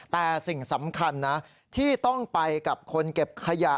แต่สิ่งสำคัญนะที่ต้องไปกับคนเก็บขยะ